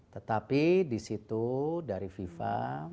tetapi di situ dari fifa